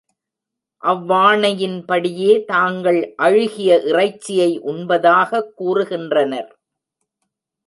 அவ்வாணையின் படியே தாங்கள் அழுகிய இறைச்சியை உண்பதாகக் கூறுகின்றனர்.